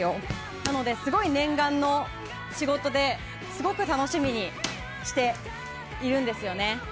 なので、すごい念願の仕事ですごく楽しみにしているんですよ。